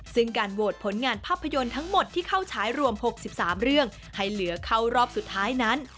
ซึ่งการโหวตผลงานภาพยนตร์ทั้งหมดที่เข้าฉายรวม๖๓เรื่องให้เหลือเข้ารอบสุดท้ายนั้น